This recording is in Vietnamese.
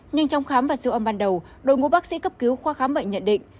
nhưng trong khám và siêu âm ban đầu đội ngũ bác sĩ cấp cứu khoa khám bệnh nhận định